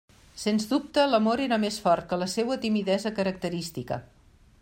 Sens dubte, l'amor era més fort que la seua timidesa característica.